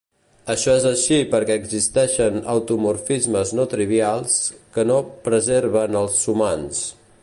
Això és així perquè existeixen automorfismes no-trivials que no preserven els sumands.